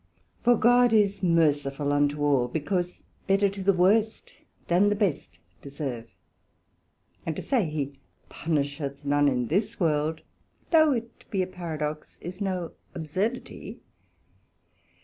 For God is merciful unto all, because better to the worst, than the best deserve; and to say he punisheth none in this world, though it be a Paradox, is no absurdity.